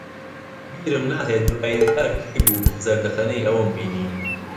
بیرم ناهێت دوایین جار کەی بوو کە زەردەخەنەی ئەوم بینی.